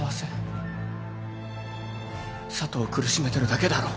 佐都を苦しめてるだけだろ。